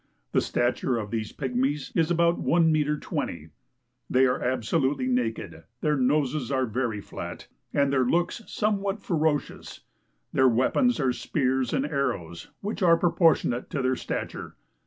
The stature of these pygmies is about l' m. 20, they are absolutely naked, their noses are very flat, and their looks somewhat ferocious. Their weapons are spears and ari ows, which are proportionate to their stature.